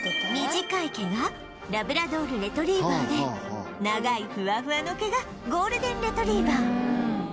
短い毛がラブラドール・レトリーバーで長いフワフワの毛がゴールデン・レトリーバー